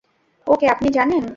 ওকে, আপনি জানেন?